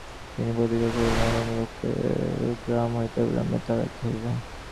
তিনি প্রতিজ্ঞা করিলেন, এমন লোককে গ্রাম হইতে অবিলম্বে তাড়াইতে হইবে।